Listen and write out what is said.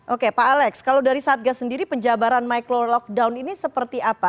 oke pak alex kalau dari satgas sendiri penjabaran micro lockdown ini seperti apa